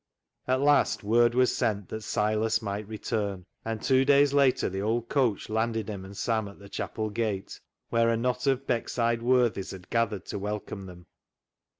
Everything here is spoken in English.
At last, word was sent that Silas might re turn, and two days later the old coach landed him and Sam at the chapel gate, where a knot of Beckside worthies had gathered to welcome them.